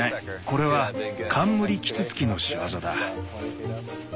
これはカンムリキツツキの仕業だ。